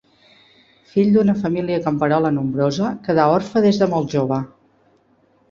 Fill d'una família camperola nombrosa, quedà orfe des de molt jove.